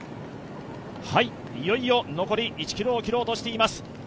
いよいよ残り１ｋｍを切ろうとしています。